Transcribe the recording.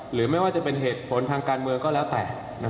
หรือไม่ว่าจะเป็นเหตุผลทางการเมืองก็แล้วแต่